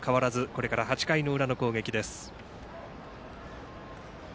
これから８回の裏の攻撃です。